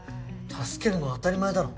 助けるのは当たり前だろ。